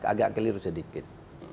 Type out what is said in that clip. agak keliru sedikit